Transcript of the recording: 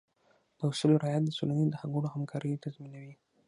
د اصولو رعایت د ټولنې د غړو همکارۍ تضمینوي.